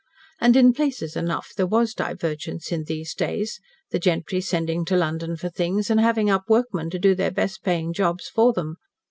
And in places enough there was divergence in these days the gentry sending to London for things, and having up workmen to do their best paying jobs for them.